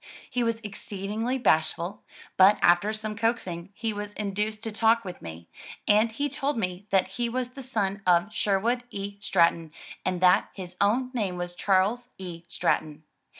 He was exceedingly bashful, but after some coaxing, he was induced to talk with me, and he told me that he was the son of Sherwood E. Stratton and that his own name was Charles E. Stratton.